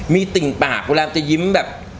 มีติ่งปากเวลามันจะยิ้มแบบ